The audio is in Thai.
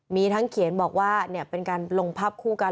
มีทั้งเขียนบอกว่าเป็นการลงภาพคู่กัน